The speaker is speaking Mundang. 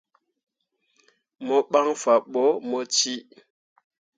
Mo ɓan fanne ɓo mo cii.